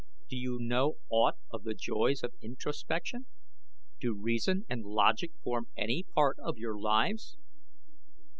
Do you know aught of the joys of introspection? Do reason and logic form any part of your lives?"